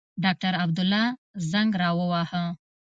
ډاکټر عبدالله زنګ را ووهه.